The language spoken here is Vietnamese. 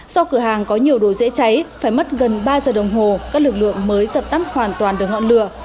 sau cửa hàng có nhiều đồ dễ cháy phải mất gần ba giờ đồng hồ các lực lượng mới dập tắt hoàn toàn được ngọn lửa